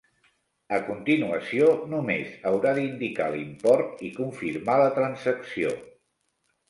A continuació, només haurà d'indicar l'import i confirmar la transacció.